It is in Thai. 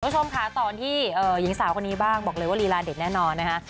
คุณผู้ชมค่ะต่อที่หญิงสาวคนนี้บ้างบอกเลยว่าลีลาเด็ดแน่นอนนะคะ